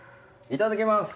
いただきます。